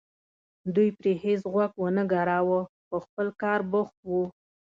دوی پرې هېڅ غوږ ونه ګراوه په خپل کار بوخت وو.